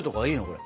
これ。